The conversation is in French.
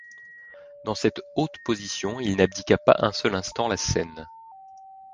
Dans cette haute position, il n’abdiqua pas un seul instant la scène.